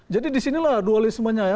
jadi di sinilah dualismenya ya